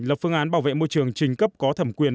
lập phương án bảo vệ môi trường trình cấp có thẩm quyền